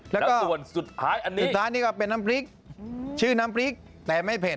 แล้วก็ส่วนสุดท้ายอันนี้สุดท้ายนี่ก็เป็นน้ำพริกชื่อน้ำพริกแต่ไม่เผ็ด